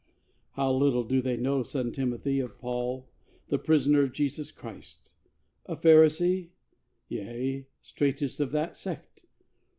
How little do they know, son Timothy, Of Paul, the prisoner of Jesus Christ. A Pharisee? Yea, straitest of that sect.